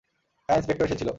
হ্যাঁ, ইন্সপেক্টর এসেছিল।